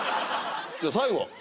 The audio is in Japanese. じゃ最後。